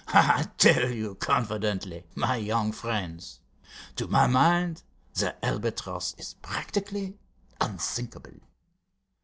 I tell you confidently, my young friends, to my mind the Albatross is practically unsinkable."